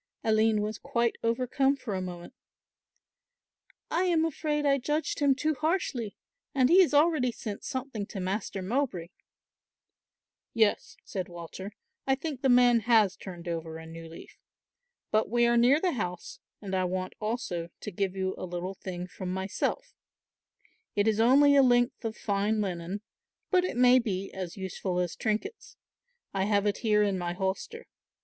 Aline was quite overcome for a moment. "I am afraid I judged him too harshly, and he has already sent something to Master Mowbray." "Yes," said Walter, "I think the man has turned over a new leaf. But we are near the house and I want also to give you a little thing from myself; it is only a length of fine linen, but it may be as useful as trinkets. I have it here in my holster.